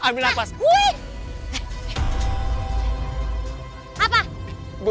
bisa aja ngejar ngejar